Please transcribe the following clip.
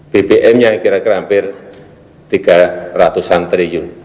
bbm nya kira kira hampir tiga ratus an triliun